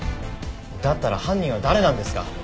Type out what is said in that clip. だったら犯人は誰なんですか？